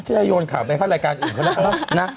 ฉันจะโยนข่าวไปเข้ารายการอีกแล้วนะ